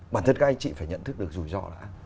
bản thân các anh chị phải nhận thức được rủi ro đã